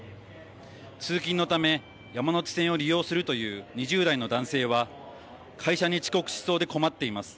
通勤のため山手線を利用するという２０代の男性は会社に遅刻しそうで困っています。